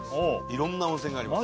色んな温泉があります